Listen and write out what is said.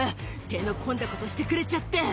手の込んだことしてくれちゃって！